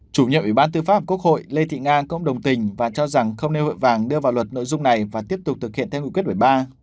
chủ nhiệm ủy ban tư pháp quốc hội lê thị nga cũng đồng tình và cho rằng không nên hội vàng đưa vào luật nội dung này và tiếp tục thực hiện theo hữu quyết một mươi ba